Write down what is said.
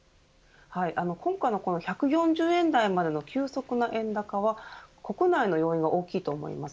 今回の１４０円台までの急速な円高は国内の要因が大きいと思います。